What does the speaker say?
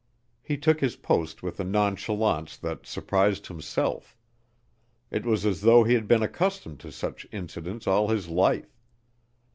He took his post with a nonchalance that surprised himself. It was as though he had been accustomed to such incidents all his life.